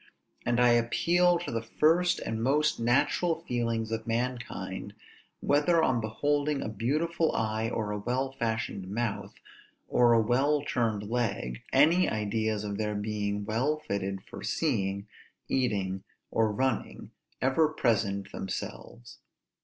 And I appeal to the first and most natural feelings of mankind, whether on beholding a beautiful eye, or a well fashioned mouth, or a well turned leg, any ideas of their being well fitted for seeing, eating, or running, ever present themselves.